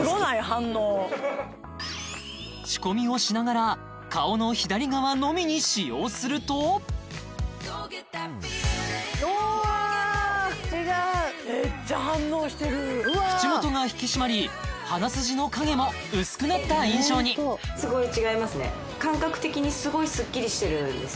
反応仕込みをしながら顔の左側のみに使用するとおおわあ違うめっちゃ反応してる口元が引き締まり鼻筋の影も薄くなった印象にすごい違いますねんです